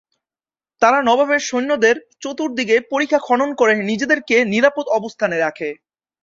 তারা নবাবের সৈন্যদের চতুর্দিকে পরিখা খনন করে নিজেদেরকে নিরাপদ অবস্থানে রাখে।